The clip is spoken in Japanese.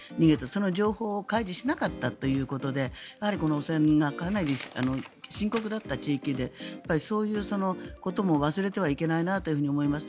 その情報を開示しなかったということでやはり汚染がかなり深刻だった地域でそういうことも忘れてはいけないなと思います。